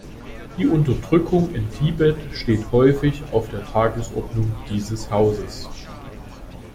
Die Unterdrückung in Tibet steht häufig auf der Tagesordnung dieses Hauses.